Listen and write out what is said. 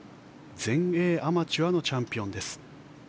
全英アマチュアのチャンピオンです。